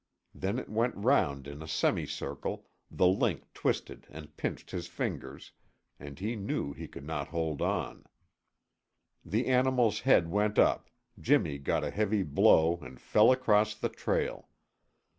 Then it went round in a semi circle, the link twisted and pinched his fingers, and he knew he could not hold on. The animal's head went up, Jimmy got a heavy blow and fell across the trail.